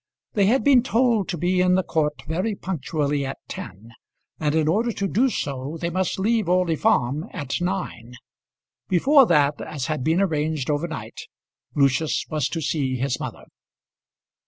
They had been told to be in the court very punctually at ten, and in order to do so they must leave Orley Farm at nine. Before that, as had been arranged over night, Lucius was to see his mother.